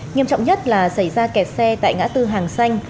nghiêm trọng nhất là xảy ra kẹt xe tại ngã tư hàng xanh